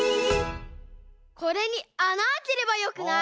これにあなあければよくない？